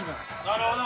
なるほど。